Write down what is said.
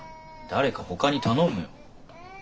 誰かほかに頼むよ。